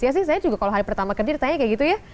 ya sih saya juga kalau hari pertama kerja ditanya kayak gitu ya